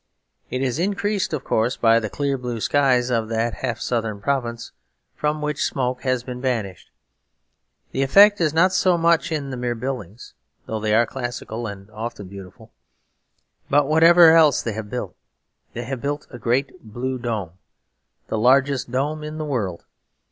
It is increased, of course, by the clear blue skies of that half southern province, from which smoke has been banished. The effect is not so much in the mere buildings, though they are classical and often beautiful. But whatever else they have built, they have built a great blue dome, the largest dome in the world.